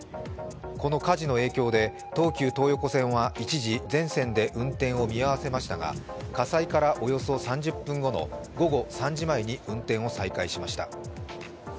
この火事の影響で東急東横線は一時、全線で運転を見合せましたが火災からおよそ３０分後の午後３時前に運転を再開しました。